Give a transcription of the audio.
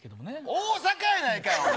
大阪やないかい！